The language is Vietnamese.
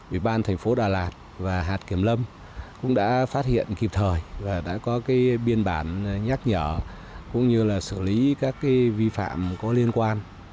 ủy ban thành phố đà lạt và hạt kiểm lâm cũng đã phát hiện kịp thời và đã có biên bản nhắc nhở cũng như là xử lý các vi phạm có liên quan